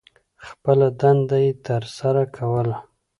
خپله دنده یې تر سرہ کوله.